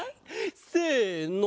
せの！